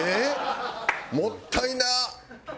もったいな！